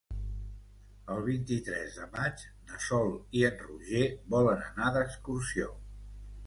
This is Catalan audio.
El vint-i-tres de maig na Sol i en Roger volen anar d'excursió.